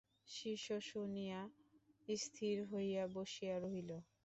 শিষ্য শুনিয়া স্থির হইয়া বসিয়া রহিল।